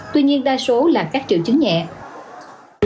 tuy nhiên đa số là các triệu chứng nhẹ